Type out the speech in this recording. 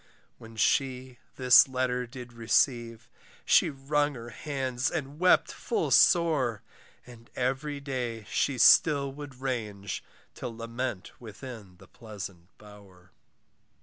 When she this letter did receive, She wrung her hands and wept full sore: And every day she still would range, To lament within the pleasant bower.